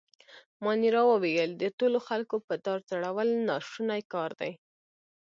مانیرا وویل: د ټولو خلکو په دار ځړول ناشونی کار دی.